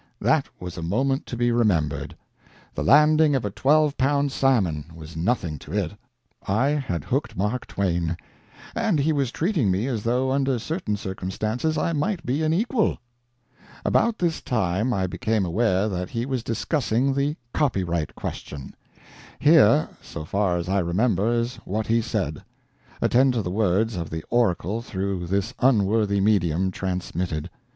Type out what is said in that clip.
That was a moment to be remembered; the landing of a twelve pound salmon was nothing to it. I had hooked Mark Twain, and he was treating me as though under certain circumstances I might be an equal. About this time I became aware that he was discussing the copyright question. Here, so far as I remember, is what he said. Attend to the words of the oracle through this unworthy medium transmitted.